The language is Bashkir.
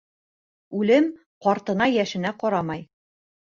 Үлем ҡартына-йәшенә ҡарамай.